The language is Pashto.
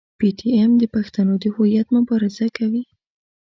پي ټي ایم د پښتنو د هویت مبارزه کوي.